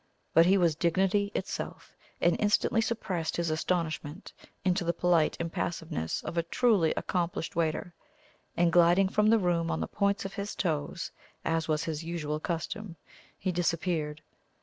But he was dignity itself, and instantly suppressed his astonishment into the polite impassiveness of a truly accomplished waiter, and gliding from the room on the points of his toes, as was his usual custom, he disappeared.